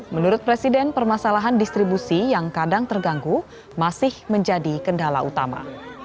menurut presiden permasalahan distribusi yang kadang terganggu masih menjadi kendala utama